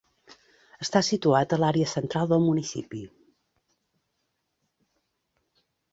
Està situat a l'àrea central del municipi.